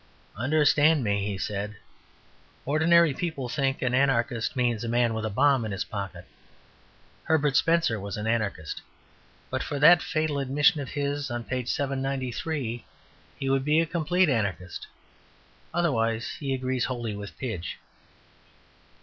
"Understand me," he said. "Ordinary people think an Anarchist means a man with a bomb in his pocket. Herbert Spencer was an Anarchist. But for that fatal admission of his on page 793, he would be a complete Anarchist. Otherwise, he agrees wholly with Pidge."